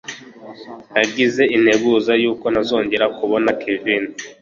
nagize integuza yuko ntazongera kubona kevin